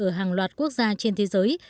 ở hàng loạt quốc gia trên thế giới